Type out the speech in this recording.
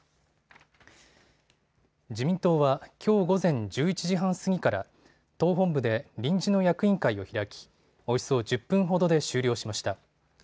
自民党はきょう午前１１時半過ぎから党本部で臨時の役員会を開きおよそ１０分ほどで終了しました。